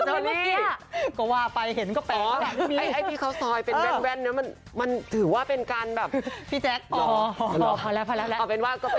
อ้าวลืมนิดหรอเจ้านี่